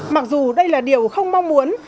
mặc dù đây là điều không mong muốn